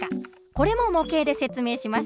これも模型で説明します。